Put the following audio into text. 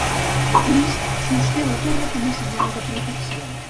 Crist sosté la Terra com a senyal de protecció.